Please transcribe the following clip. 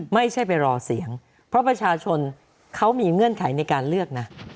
ไม่ใช่ไปรอเสียงเพราะประชาชนเขามีเงื่อนไขในการเลือกนะ